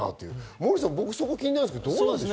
モーリーさん、気になるんですけど。